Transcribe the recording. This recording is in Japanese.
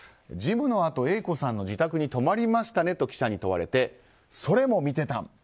ジムのあとＡ子さんの自宅に泊まりましたねと記者に聞かれてそれも見てたん？